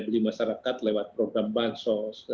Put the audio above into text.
beli masyarakat lewat program bansos